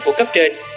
bộ cấp trên